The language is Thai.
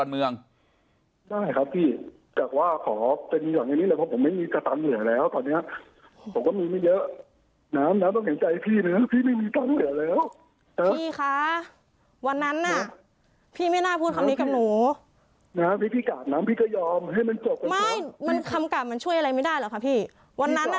ไม่มันคำกลับมันช่วยอะไรไม่ได้หรอกค่ะพี่วันนั้นอ่ะ